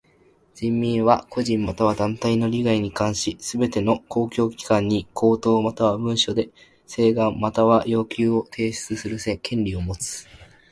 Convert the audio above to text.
人民は個人または団体の利害に関しすべての公共機関に口頭または文書で請願または要求を提出する権利をもつ。